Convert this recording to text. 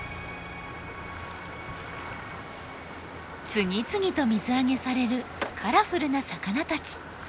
次々と水揚げされるカラフルな魚たち。